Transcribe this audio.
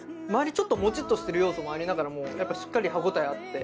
ちょっともちっとしてる要素もありながらもやっぱしっかり歯応えあって。